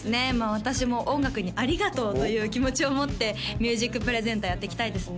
私も音楽にありがとうという気持ちを持ってＭｕｓｉｃＰｒｅｓｅｎｔｅｒやっていきたいですね